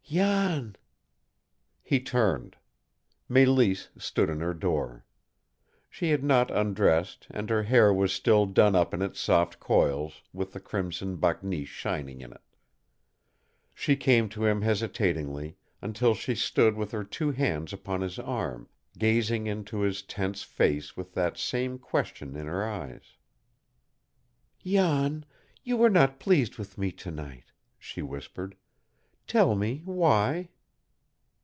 "Jan!" He turned. Mélisse stood in her door. She had not undressed, and her hair was still done up in its soft coils, with the crimson bakneesh shining in it. She came to him hesitatingly, until she stood with her two hands upon his arm, gazing into his tense face with that same question in her eyes. "Jan, you were not pleased with me to night," she whispered. "Tell me, why?"